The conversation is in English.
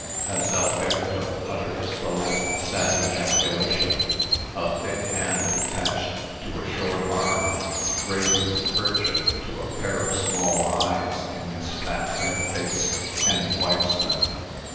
As Alberto utters the last sad ejaculation, a thick hand attached to a short arm raises a kerchief to a pair of small eyes in this fat red face, and wipes them.